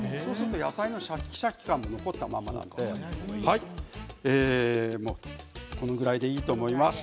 野菜のシャキシャキ感も残ったりするのでこれぐらいでいいと思います。